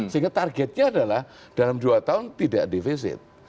sehingga targetnya adalah dalam dua tahun tidak defisit